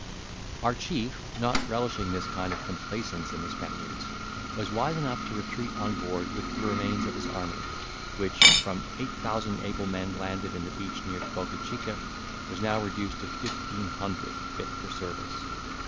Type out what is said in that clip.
Our chief, not relishing this kind of complaisance in the Spaniard's, was wise enough to retreat on board with the remains of his army, which, from eight thousand able men landed on the beach near Bocca Chica, was now reduced to fifteen hundred fit for service.